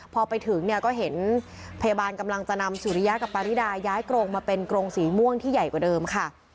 พอไปถึงเนี่ยก็เห็นพยาบาลกำลังจะนำสุริยะกับปาริดาย้ายกรงมาเป็นกรงสีม่วงที่ใหญ่กว่าเดิมค่ะ